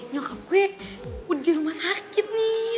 nyokap gue di rumah sakit nih